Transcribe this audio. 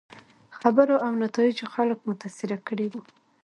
خبرو او نتایجو خلک متاثره کړي وو.